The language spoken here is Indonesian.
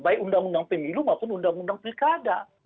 baik undang undang pemilu maupun undang undang pilkada